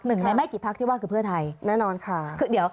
หนึ่งในไม่กี่พักที่ว่าคือเพื่อไทย